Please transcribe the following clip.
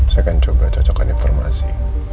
saya akan coba cocokkan informasi